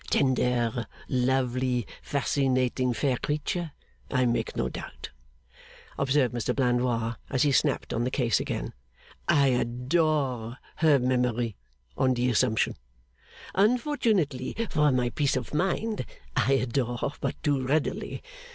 F. was some tender, lovely, fascinating fair creature, I make no doubt,' observed Mr Blandois, as he snapped on the case again. 'I adore her memory on the assumption. Unfortunately for my peace of mind, I adore but too readily.